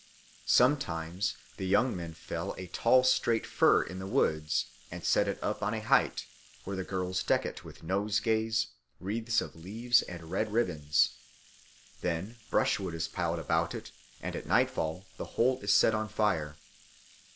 Sometimes the young men fell a tall straight fir in the woods and set it up on a height, where the girls deck it with nosegays, wreaths of leaves, and red ribbons. Then brushwood is piled about it, and at nightfall the whole is set on fire.